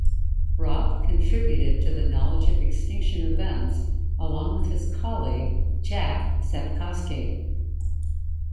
Raup contributed to the knowledge of extinction events along with his colleague Jack Sepkoski.